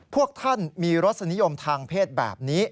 พวกท่านมีรสนิยมทางเพศแบบนี้